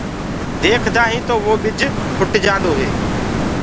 ديکدآ هين تو وو ٻج ڦٽ جآندو هي